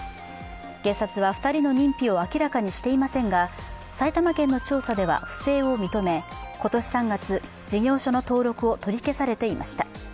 警察は２人の認否を明らかにしていませんが埼玉県の調査では不正を認め、今年３月事業所の登録を取り消されていました。